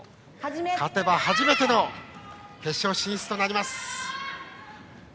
勝てば初めての決勝進出です。